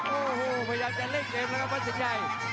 โอ้โหพยายามจะเล่นเกมแล้วครับวัดสินชัย